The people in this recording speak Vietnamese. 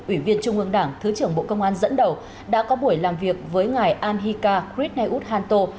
ủy viên trung ương đảng thứ trưởng bộ công an dẫn đầu đã có buổi làm việc với ngài an hika krithneud hanto